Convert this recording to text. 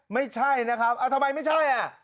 ไม่ใช่นะครับทำไมไม่ใช่อ่ะ